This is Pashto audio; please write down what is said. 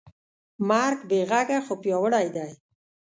مرګ بېغږه خو پیاوړی دی.